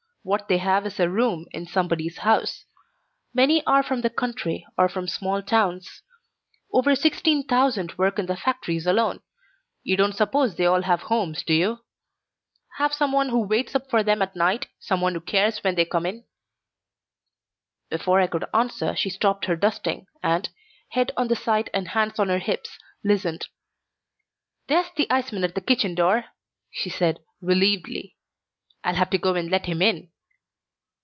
What they have is a room in somebody's house. Many are from the country or from small towns. Over sixteen thousand work in the factories alone. You don't suppose they all have homes, do you? have some one who waits up for them at night, some one who cares when they come in?" Before I could answer she stopped her dusting and, head on the side and hands on her hips, listened. "There's the iceman at the kitchen door," she said, relievedly. "I'll have to go and let him in."